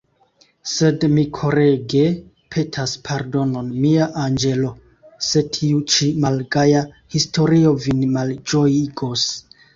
Sed mi korege petas pardonon, mia anĝelo, se tiu ĉi malgaja historio vin malĝojigos.